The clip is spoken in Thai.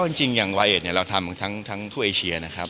อเจมส์ก็จริงอย่างวัยเอชเราทำทั้งทั่วเอเชียนะครับ